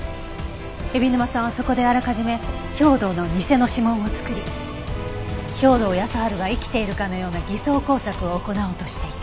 海老沼さんはそこであらかじめ兵働の偽の指紋を作り兵働耕春が生きているかのような偽装工作を行おうとしていた。